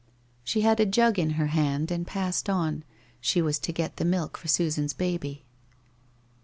She had a jug in her hand and passed on, she was to get the milk for Susan's baby.